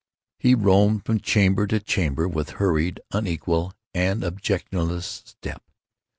He roamed from chamber to chamber with hurried, unequal, and objectless step.